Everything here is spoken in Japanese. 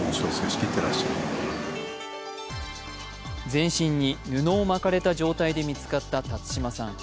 全身に布を巻かれた状態で見つかった辰島さん。